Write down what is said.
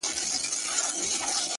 • داده غاړي تعويزونه زما بدن خوري؛